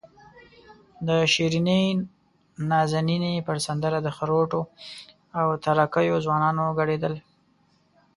د شیرینې نازنینې پر سندره د خروټو او تره کیو ځوانان ګډېدل.